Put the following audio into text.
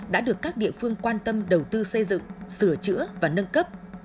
đã được các địa phương quan tâm đầu tư xây dựng sửa chữa và nâng cấp